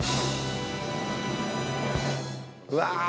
うわ！